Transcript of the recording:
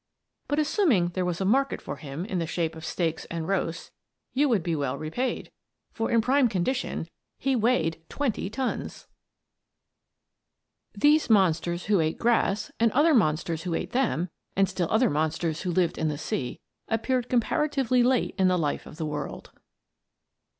But, assuming there was a market for him in the shape of steaks and roasts, you would be well repaid; for, in prime condition, he weighed twenty tons. [Illustration: IN THE LAND OF HIS FATHERS] These monsters who ate grass, and other monsters who ate them, and still other monsters who lived in the sea, appeared comparatively late in the life of the world.